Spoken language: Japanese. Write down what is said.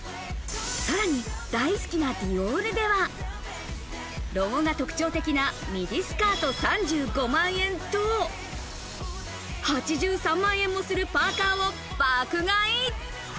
さらに大好きなディオールでは、ロゴが特徴的なミディスカート３５万円と、８３万円もするパーカーを爆買い！